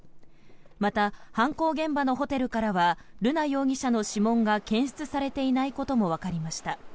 また、犯行現場のホテルからは瑠奈容疑者の指紋が検出されていないこともわかりました。